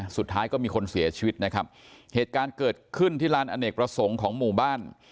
สุดท้ายก็มีคนเสียชีวิตนะครับเหตุการณ์เกิดขึ้นที่ลานอเนกประสงค์ของหมู่บ้าน